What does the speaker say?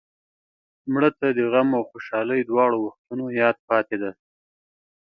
مړه ته د غم او خوشحالۍ دواړو وختونو یاد پاتې دی